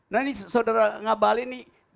nah ini saudara ngebalin nih belas kata